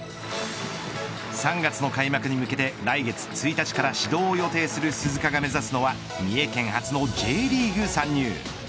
３月の開幕に向けて来月１日から始動を予定する鈴鹿が目指すのは三重県初のＪリーグ参入。